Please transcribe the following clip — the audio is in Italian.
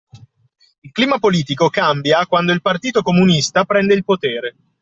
Il clima politico cambia quando il partito comunista prende il potere